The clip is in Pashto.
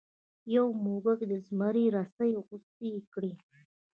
یو موږک د زمري رسۍ غوڅې کړې.